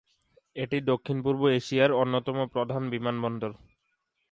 এটি দক্ষিণ-পূর্ব এশিয়ার অন্যতম প্রধান বিমানবন্দর।